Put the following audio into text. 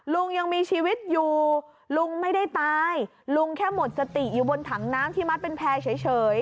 ลุงยังมีชีวิตอยู่ลุงไม่ได้ตายลุงแค่หมดสติอยู่บนถังน้ำที่มัดเป็นแพร่เฉย